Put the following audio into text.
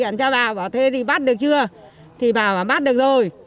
mà bắt được rồi